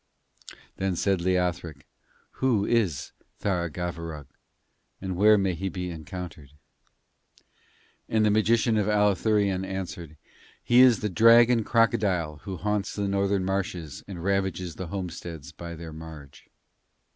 Then said Leothric: 'Who is Tharagavverug, and where may he be encountered?' And the magician of Allathurion answered: 'He is the dragon crocodile who haunts the Northern marshes and ravages the homesteads by their marge.